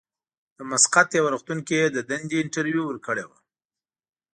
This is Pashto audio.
د مسقط یوه روغتون کې یې د دندې انټرویو ورکړې وه.